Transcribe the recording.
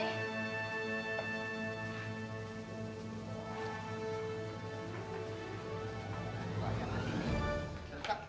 ibu sudah dipecat